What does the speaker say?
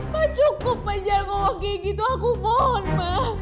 ma cukup menjengolok gigi itu aku mohon ma